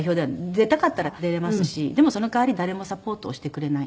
出たかったら出れますしでもその代わり誰もサポートをしてくれない。